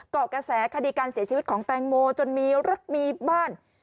เกาะกระแสคดีการเสียชีวิตของแตงโมจนมีรถมีบ้าน